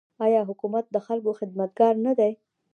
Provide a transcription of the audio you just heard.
آیا حکومت د خلکو خدمتګار نه دی؟